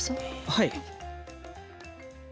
はい。